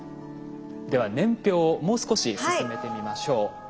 では年表をもう少し進めてみましょう。